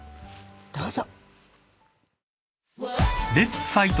どうぞ。